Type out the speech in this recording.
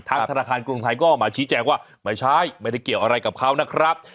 ธนาคารกรุงไทยก็มาชี้แจงว่าไม่ใช่ไม่ได้เกี่ยวอะไรกับเขานะครับ